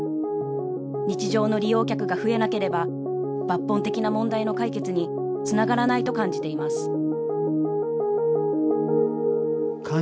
日常の利用客が増えなければ抜本的な問題の解決につながらないと感じています。